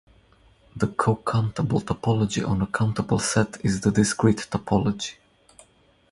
The cocountable topology on a countable set is the discrete topology.